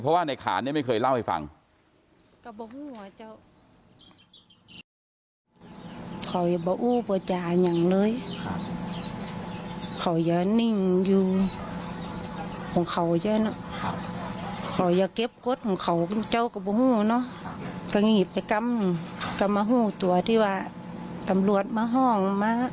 เพราะว่าในขานเนี่ยไม่เคยเล่าให้ฟัง